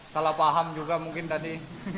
salah paham juga mungkin tadi